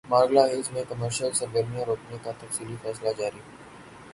Margalla hills میں commercial سرگرمیاں روکنے کا تفصیلی فیصلہ جاری